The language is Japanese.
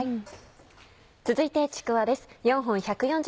続いてちくわです。